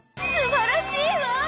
すばらしいわ！